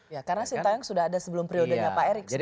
ya karena sinta yong sudah ada sebelum periodenya pak erik sebenarnya